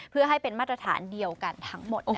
เพื่อให้เป็นมาตรฐานเดียวกันทั้งหมด